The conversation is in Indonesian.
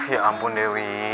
ya ampun dewi